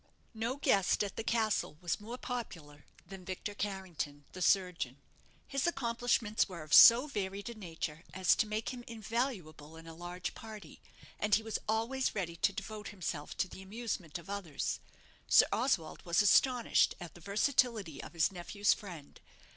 No guest at the castle was more popular than Victor Carrington, the surgeon. His accomplishments were of so varied a nature as to make him invaluable in a large party, and he was always ready to devote himself to the amusement of others. Sir Oswald was astonished at the versatility of his nephew's friend.